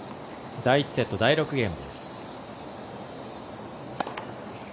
第１セット、第６ゲーム。